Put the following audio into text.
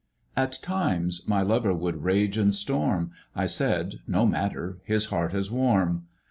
At times my lover would rage and storm. I said : 'No matter, his heart is warm.'